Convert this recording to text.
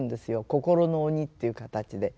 心の鬼っていう形で。